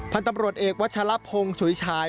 พันธุ์ตำรวจเอกวัชลพงศ์ฉุยฉาย